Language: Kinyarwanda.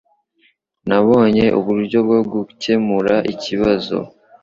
Nabonye uburyo bwo gukemura ikibazo